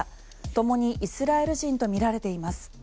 ともにイスラエル人とみられています。